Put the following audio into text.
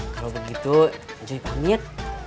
kalau begitu njui pamit